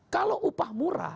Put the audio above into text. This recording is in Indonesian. kalau upah murah